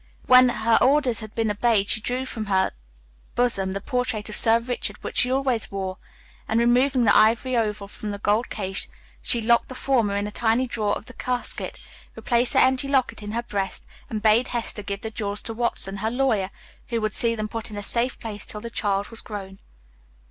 When her orders had been obeyed, she drew from her bosom the portrait of Sir Richard which she always wore, and, removing the ivory oval from the gold case, she locked the former in a tiny drawer of the casket, replaced the empty locket in her breast, and bade Hester give the jewels to Watson, her lawyer, who would see them put in a safe place till the child was grown.